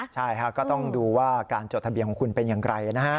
ใช่ก็ต้องดูว่าการจดทะเบียนของคุณเป็นอย่างไรนะฮะ